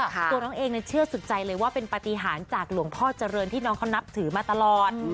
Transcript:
ตัวน้องเองเชื่อสุดใจเลยว่าเป็นปฏิหารจากหลวงพ่อเจริญที่น้องเขานับถือมาตลอด